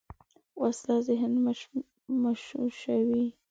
وسله ذهن مشوشوي